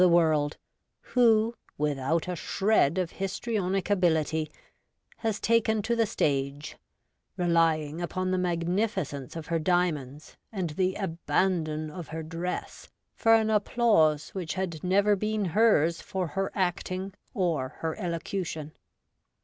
17 the world, who, without a shred of histrionic ability, has taken to the stage, relying upon the magnifi cence of her diamonds and the abandon of her dress for an applause which had never been hers for her acting or her elocution.